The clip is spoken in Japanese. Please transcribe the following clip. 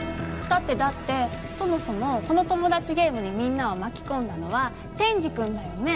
だってだってそもそもこのトモダチゲームにみんなを巻き込んだのは天智くんだよね？